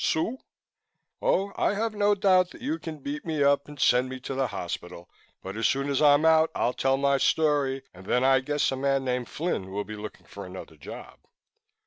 "Sue?" "Oh, I have no doubt that you can beat me up and send me to the hospital, but as soon as I'm out I'll tell my story and then I guess a man named Flynn will be looking for another job."